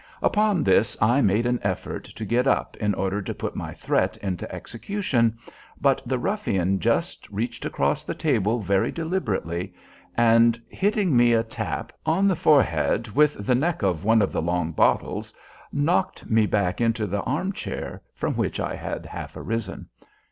Upon this I made an effort to get up in order to put my threat into execution, but the ruffian just reached across the table very deliberately, and hitting me a tap on the forehead with the neck of one of the long bottles, knocked me back into the armchair from which I had half arisen.